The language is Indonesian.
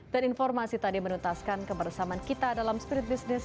dan informasi tadi menuntaskan kebersamaan kita dalam spirit business